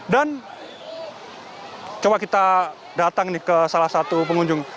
dan coba kita datang ke salah satu pengunjung ini